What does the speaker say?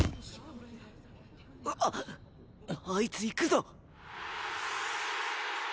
あっあいつ行くぞ。